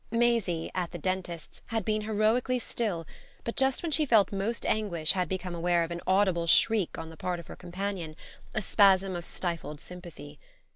Maisie, at the dentist's, had been heroically still, but just when she felt most anguish had become aware of an audible shriek on the part of her companion, a spasm of stifled sympathy.